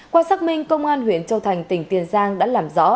qua xác minh công an huyện châu thành tỉnh tiền giang đã làm rõ